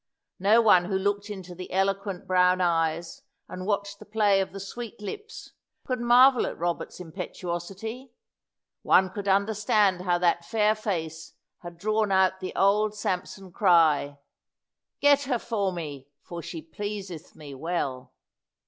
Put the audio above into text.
No one who looked into the eloquent brown eyes, and watched the play of the sweet lips, could marvel at Robert's impetuosity. One could understand how that fair face had drawn out the old Samson cry, "Get her for me, for she pleaseth me well."